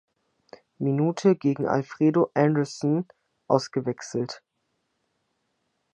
Minute gegen Alfredo Anderson ausgewechselt.